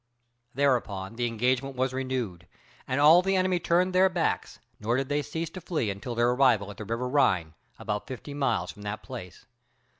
Thereupon the engagement was renewed, and all the enemy turned their backs, nor did they cease to flee until they arrived at the river Rhine, about fifty miles from that place.